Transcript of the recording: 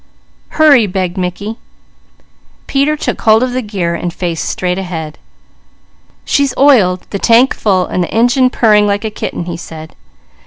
"Hurry!" begged Mickey. Peter took hold of the gear and faced straight ahead. "She's oiled, the tank full, the engine purring like a kitten," he said.